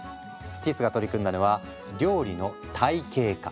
ティスが取り組んだのは料理の体系化。